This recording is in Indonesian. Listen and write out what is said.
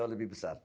jauh lebih besar